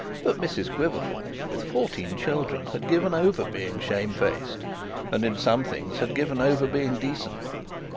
But Mrs Quiverful, with fourteen children, had given over being shamefaced, and, in some things, had given over being decent.